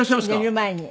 寝る前に。